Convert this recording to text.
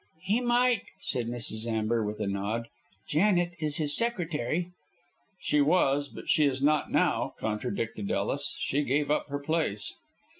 "He might," said Mrs. Amber, with a nod. "Janet is his secretary." "She was, but she is not now," contradicted Ellis. "She gave up her place."